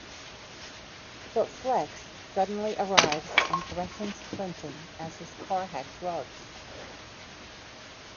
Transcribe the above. But Flex suddenly arrives and threatens Clinton as his car had drugs.